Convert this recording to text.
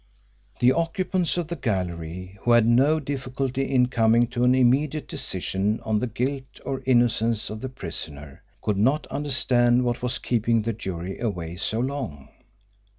The occupants of the gallery, who had no difficulty in coming to an immediate decision on the guilt or innocence of the prisoner, could not understand what was keeping the jury away so long.